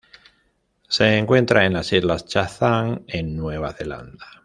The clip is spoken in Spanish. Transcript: Se encuentra en las Islas Chatham en Nueva Zelanda